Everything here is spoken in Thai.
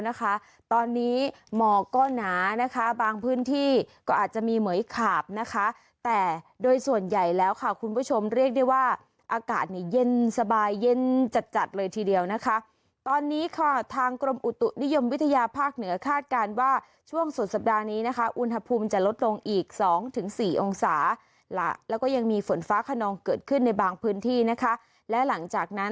นะคะตอนนี้หมอกก็หนานะคะบางพื้นที่ก็อาจจะมีเหมือยขาบนะคะแต่โดยส่วนใหญ่แล้วค่ะคุณผู้ชมเรียกได้ว่าอากาศเนี่ยเย็นสบายเย็นจัดจัดเลยทีเดียวนะคะตอนนี้ค่ะทางกรมอุตุนิยมวิทยาภาคเหนือคาดการณ์ว่าช่วงสุดสัปดาห์นี้นะคะอุณหภูมิจะลดลงอีกสองถึงสี่องศาล่ะแล้วก็ยังมีฝนฟ้าขนองเกิดขึ้นในบางพื้นที่นะคะและหลังจากนั้น